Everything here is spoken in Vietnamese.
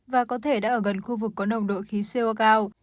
và có thể đã ở gần khu vực có nồng độ khí co cao